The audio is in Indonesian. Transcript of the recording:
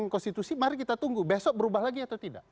konstitusi mari kita tunggu besok berubah lagi atau tidak